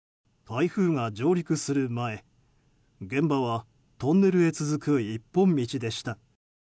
台風が上陸する前、現場はトンネルへ続く一本道でした。